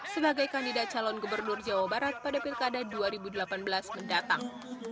sebagai kandidat calon gubernur jawa barat pada pilkada dua ribu delapan belas mendatang